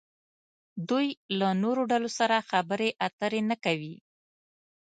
دوی له نورو ډلو سره خبرې اترې نه کوي.